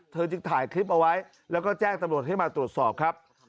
จึงถ่ายคลิปเอาไว้แล้วก็แจ้งตำรวจให้มาตรวจสอบครับ